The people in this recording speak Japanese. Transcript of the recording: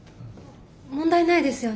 問題ないですよね？